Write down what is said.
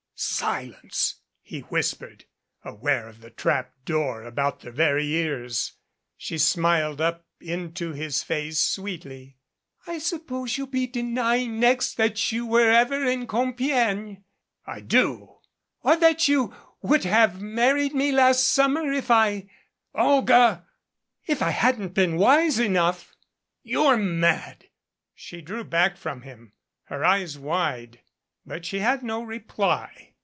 "Silence," he whispered, aware of the trap door about their very ears. She smiled up into his face sweetly. "I suppose you'll be denying next that you were ever in Compiegne " "I do." 234 NEMESIS 'Or that you would have married me last summer if "Olga !" "If I hadn't been wise enough " "You're mad!" She drew back from him, her eyes wide, but she had no reply.